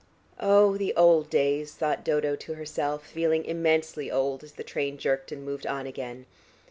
"Oh, the old days!" thought Dodo to herself, feeling immensely old, as the train jerked and moved on again.